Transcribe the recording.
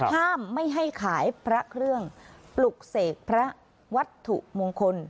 ห้ามไม่ให้ขายพระเครื่องปลุกเสกพระวัตถุมงคล